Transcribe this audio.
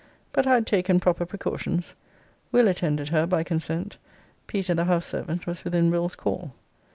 But I had taken proper precautions. Will. attended her by consent; Peter, the house servant, was within Will.'s call.